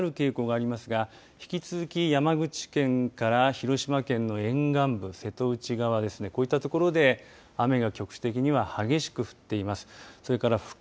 動かしますと瀬戸内海を東へ進みながらやや南に下がる傾向がありますが引き続き山口県から広島県の沿岸部瀬戸内側ですね、こういった所で雨が局地的には激しく降っています。